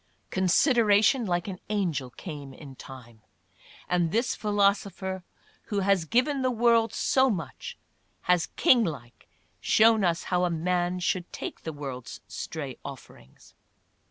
" li Consideration like an angel came " in time ; and this philoso pher who has given the world so much, has, king like, shown us how a man should take the world's stray offerings.